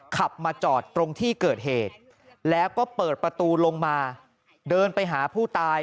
ขับมาจอดตรงที่เกิดเหตุแล้วก็เปิดประตูลงมาเดินไปหาผู้ตาย